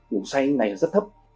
ngủ say này rất thấp